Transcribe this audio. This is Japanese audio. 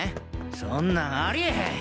そんなんありえへん！